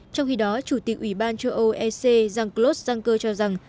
trong khi đó chủ tịch ủy ban châu âu ec jean claude juncker cho rằng